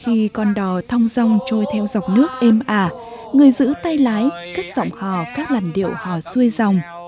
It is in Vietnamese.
khi con đò thong dòng trôi theo dọc nước êm ả người giữ tay lái cất giọng hò các làn điệu hò xuôi dòng